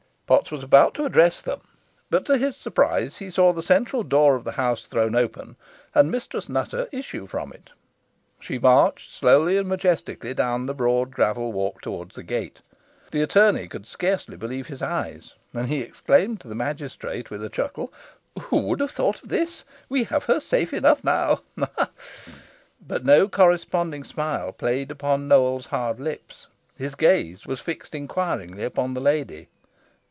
Potts was about to address them, but to his surprise he saw the central door of the house thrown open, and Mistress Nutter issue from it. She marched slowly and majestically down the broad gravel walk towards the gate. The attorney could scarcely believe his eyes, and he exclaimed to the magistrate with a chuckle "Who would have thought of this! We have her safe enough now. Ha! ha!" But no corresponding smile played upon Nowell's hard lips. His gaze was fixed inquiringly upon the lady.